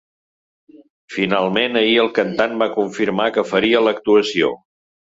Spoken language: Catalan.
Finalment, ahir el cantant va confirmar que faria l’actuació.